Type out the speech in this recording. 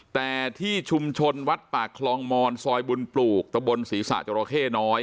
แต่ที่ชุมชนวัดปากคลองมอนซอยบุญปลูกตะบนศรีษะจราเข้น้อย